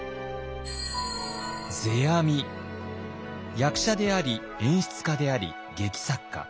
役者であり演出家であり劇作家。